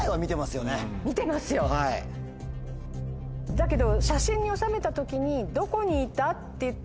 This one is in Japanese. だけど。